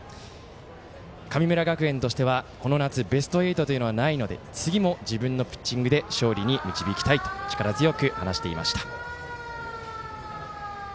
神村学園としては、この夏ベスト８というのはないので次も自分のピッチングで勝利に導きたいと力強く話していました。